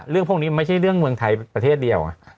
เรื่องพวกนี้ไม่ใช่เรื่องเมืองไทยประเทศเดียว